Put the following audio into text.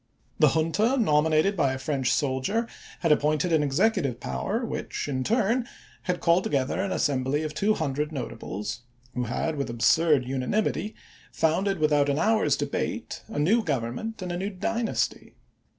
The junta, nominated by a French soldier, had appointed an executive power which, in turn, had called together an assembly of two hundred notables, who had with absurd unanimity founded without an hour's debate a new government and a new dynasty.